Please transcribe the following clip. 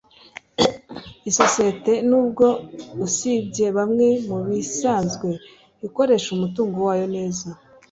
Isosiyete nubwo usibye bamwe mubisanzwe ikoresha umutungo wayo neza